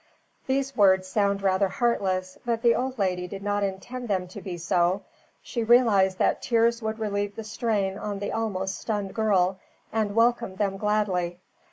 These words sound rather heartless, but the old lady did not intend them to be so. She realized that tears would relieve the strain on the almost stunned girl, and welcomed them gladly.